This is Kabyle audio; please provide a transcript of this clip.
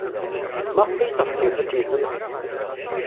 Maɣef ay teɣsemt ad temmtemt?